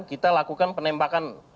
kita lakukan penembakan